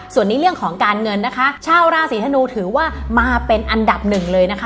ส่วนในเรื่องของการเงินนะคะชาวราศีธนูถือว่ามาเป็นอันดับหนึ่งเลยนะคะ